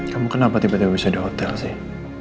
kamu kenapa tiba tiba bisa di hotel sih